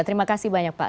terima kasih banyak pak